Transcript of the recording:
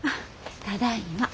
ただいま。